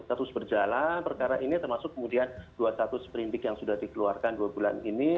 terus berjalan perkara ini termasuk kemudian dua puluh satu seprindik yang sudah dikeluarkan dua bulan ini